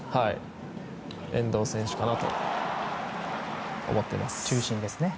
遠藤選手かなと思っています。